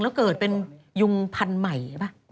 แล้วเกิดเป็นยุงพันธุ์ใหม่ป่ะ